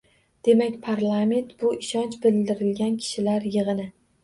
Demak, parlament bu... ishonch bildirilgan kishilar yig‘ini.